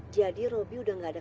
jadi robi udah nggak ada